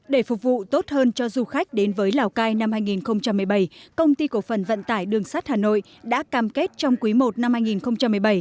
để phục vụ tốt hơn cho du khách đến với lào cai năm hai nghìn một mươi bảy công ty cổ phần vận tải đường sắt hà nội đã cam kết trong quý i năm hai nghìn một mươi bảy